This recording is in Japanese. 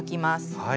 はい。